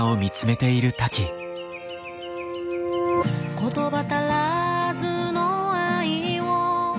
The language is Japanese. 「言葉足らずの愛を愛を」